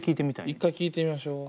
一回聴いてみましょう。